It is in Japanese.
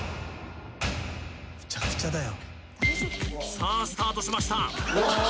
さあスタートしました